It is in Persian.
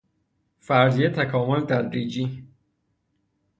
فرضیه تکامل تدریجی